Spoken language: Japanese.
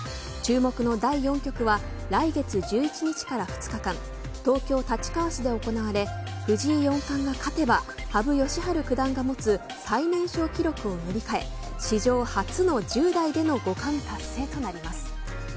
注目の第４局は来月１１日から２日間東京、立川市で行われ藤井四冠が勝てば羽生善治九段が持つ最年少記録を塗り替え史上初の１０代での五冠達成となります。